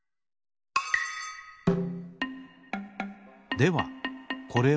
ではこれは？